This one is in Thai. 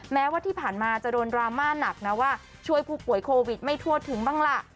แม้ว่าที่ผ่านมาจะโดนดราม่าหนักนะว่าช่วยผู้ป่วยโควิดไม่ทั่วถึงบ้างล่ะ